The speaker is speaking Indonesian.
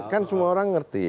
kan semua orang ngerti